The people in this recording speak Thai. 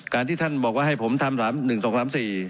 ที่ท่านบอกว่าให้ผมทำ๓๑๒๓๔